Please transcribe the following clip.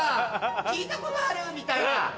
聴いたことあるみたいな。